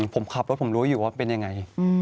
ผมขับรถผมรู้อยู่ว่าเป็นยังไง